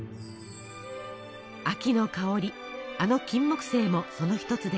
秋の香りあのキンモクセイもその一つです。